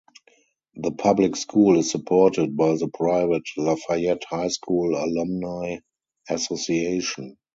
The public school is supported by the private "Lafayette High School Alumni Association".